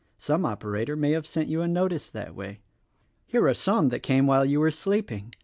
Some operator may have sent you a notice that way. Here are some that came while you were sleeping.